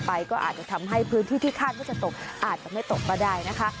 ก็อาจจะทำให้พื้นที่ที่คาดว่าจะตกอาจจะไม่ตกก็ได้นะคะ